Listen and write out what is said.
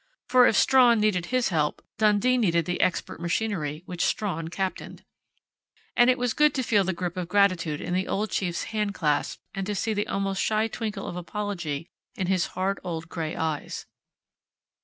For if Strawn needed his help, Dundee needed the expert machinery which Strawn captained. And it was good to feel the grip of gratitude in the old chief's handclasp and to see the almost shy twinkle of apology in his hard old grey eyes....